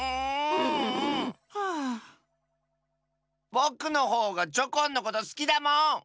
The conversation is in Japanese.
ぼくのほうがチョコンのことすきだもん！